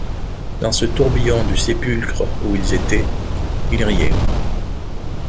Dans ce tourbillon du sépulcre où ils étaient, ils riaient.